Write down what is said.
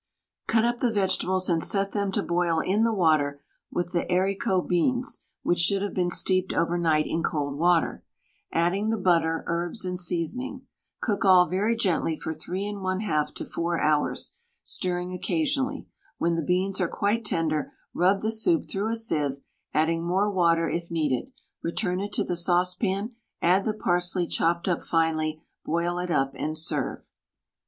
Cut up the vegetables and set them to boil in the water with the haricot beans (which should have been steeped over night in cold water), adding the butter, herbs, and seasoning. Cook all very gently for 3 1/2 to 4 hours, stirring occasionally. When the beans are quite tender, rub the soup through a sieve, adding more water if needed; return it to the saucepan, add the parsley chopped up finely, boil it up and serve.